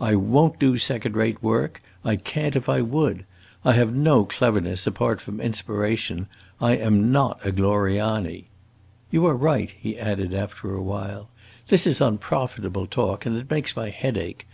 I won't do second rate work; I can't if I would. I have no cleverness, apart from inspiration. I am not a Gloriani! You are right," he added after a while; "this is unprofitable talk, and it makes my head ache.